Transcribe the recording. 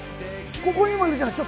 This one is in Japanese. ここにもいるじゃない！